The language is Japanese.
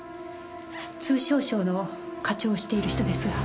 通商省の課長をしている人ですが。